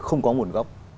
không có nguồn gốc